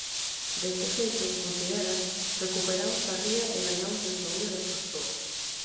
Deste xeito, considera, "recuperamos a ría e gañamos en saúde das persoas".